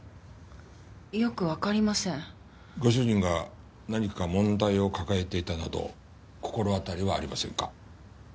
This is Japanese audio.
ご主人が何か問題を抱えていたなど心当たりはありませんか？